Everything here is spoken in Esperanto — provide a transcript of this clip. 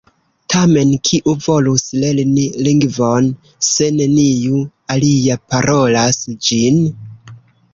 Tamen, kiu volus lerni lingvon, se neniu alia parolas ĝin?